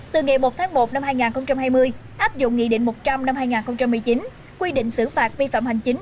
từ ngày một tháng một năm hai nghìn hai mươi áp dụng nghị định một trăm linh năm hai nghìn một mươi chín quy định xử phạt vi phạm hành chính